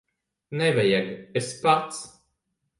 Nevajag. Es pats.